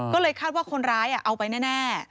ก็เลยคาดว่าคนร้ายเอาไปแน่